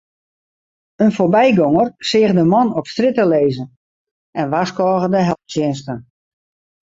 In foarbygonger seach de man op strjitte lizzen en warskôge de helptsjinsten.